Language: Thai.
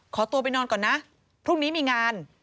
ขอตัวไปนอนก่อนนะพรุ่งนี้มีงาน